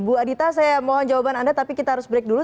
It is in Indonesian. bu adita saya mohon jawaban anda tapi kita harus break dulu